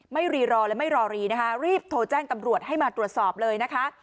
รีรอและไม่รอรีนะคะรีบโทรแจ้งตำรวจให้มาตรวจสอบเลยนะคะ